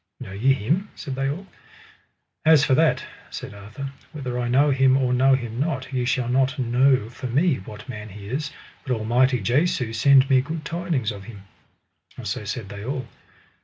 Know ye him? said they all. As for that, said Arthur, whether I know him or know him not, ye shall not know for me what man he is, but Almighty Jesu send me good tidings of him. And so said they all.